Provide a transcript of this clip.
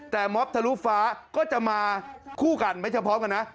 แต่ม็อบทะลุฟ้าก็จะมาคู่กันไม่ใช่พร้อมกันนะ